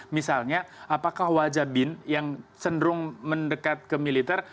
misalnya apakah wajah bin yang cenderung mendekat ke militer